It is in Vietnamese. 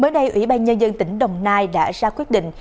mới đây ủy ban nhân dân tỉnh đồng nai đã ra quyết định